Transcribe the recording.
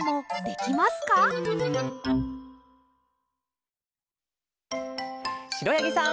くろやぎさん。